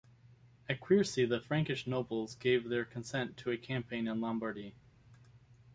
At Quiercy the Frankish nobles finally gave their consent to a campaign in Lombardy.